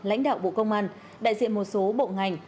lãnh đạo bộ công an đại diện một số bộ ngành